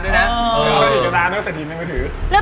พี่ฟองอีก๑ดวงดาว